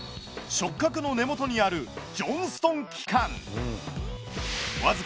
触角の根元にあるジョンストン器官。